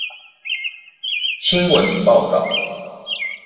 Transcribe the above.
新聞報導